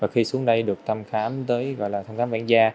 khi xuống đây được thăm khám đến gọi là thăm khám bệnh gia